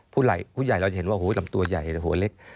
ผู้ใหญ่เราจะเห็นว่าลำตัวใหญ่หัวเล็ก